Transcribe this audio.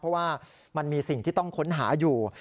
เพราะว่ามันมีสิ่งที่ต้องค้นหาอยู่